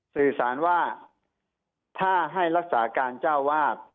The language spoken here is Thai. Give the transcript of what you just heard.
สื่อสารว่าถ้าให้รักษาการเจ้าวาด